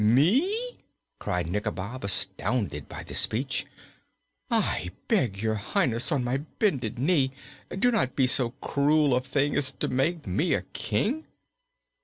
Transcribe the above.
"Me?" cried Nikobob, astounded by this speech. "I beg Your Highness, on my bended knees, not to do so cruel a thing as to make me King!"